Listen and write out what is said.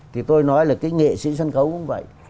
thì tôi nói là cái nghệ sĩ sân khấu cũng vậy